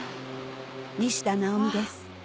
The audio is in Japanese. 西田尚美です